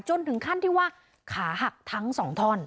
จนถึงขั้นที่ว่าขาหักทั้งสองท่อน